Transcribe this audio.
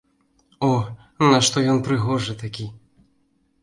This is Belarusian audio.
О, нашто ён прыгожы такі!